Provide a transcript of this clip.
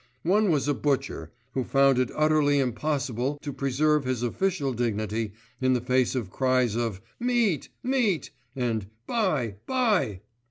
One was a butcher, who found it utterly impossible to preserve his official dignity in the face of cries of "Meat! Meat!" and "Buy! Buy!"